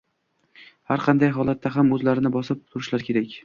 Har qanday holatda ham o`zlarini bosib turishlari kerak